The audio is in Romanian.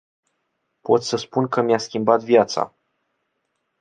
Pot să spun că mi-a schimbat viața.